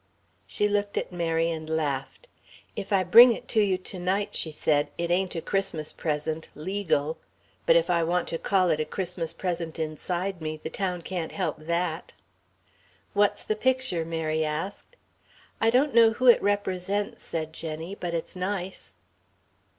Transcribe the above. She looked at Mary and laughed. "If I bring it to you to night," she said, "it ain't a Christmas present legal. But if I want to call it a Christmas present inside me, the town can't help that." "What's the picture?" Mary asked. "I don't know who it represents," said Jenny, "but it's nice."